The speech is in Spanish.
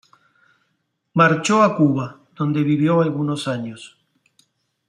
Marchó a Cuba, donde vivió algunos años.